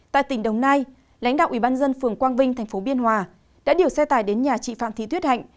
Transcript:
tại tỉnh đồng nai lãnh đạo ủy ban dân phường quang vinh thành phố biên hòa đã điều xe tải đến nhà chị phạm thị tuyết hạnh